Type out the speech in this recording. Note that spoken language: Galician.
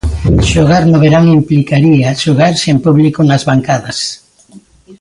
Xogar no verán implicaría xogar sen público nas bancadas.